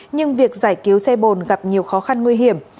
nhưng việc giải cứu xe bồn gặp nhiều khó khăn nguy hiểm